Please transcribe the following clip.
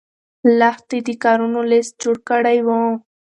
لښتې د کارونو لست جوړ کړی و.